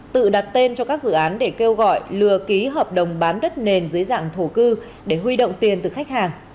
tự đặt tên cho các dự án để kêu gọi lừa ký hợp đồng bán đất nền dưới dạng thổ cư để huy động tiền từ khách hàng